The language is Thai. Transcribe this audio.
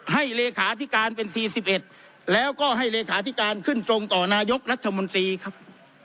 หทสอบตเราก็ให้เหลขาที่การขึ้นตรงต่อนายกรัฐมนตรีครับ